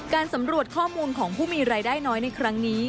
การสำรวจข้อมูลของผู้มีรายได้น้อยในครั้งนี้